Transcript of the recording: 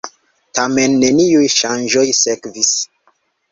Tamen neniuj ŝanĝoj sekvis.